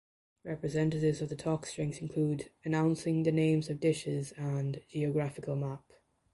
Representatives of the talk strings include "Announcing the Names of Dishes" and "Geographical Map".